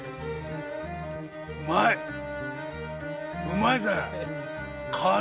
うまいぜ。